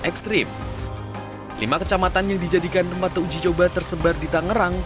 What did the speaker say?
ekstrim lima kecamatan yang dijadikan tempat uji coba tersebar di tangerang